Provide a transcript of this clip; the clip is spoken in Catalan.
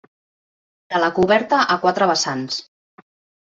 De la coberta a quatre vessants.